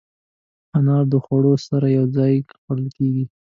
انار د خوړو سره یو ځای خوړل کېږي.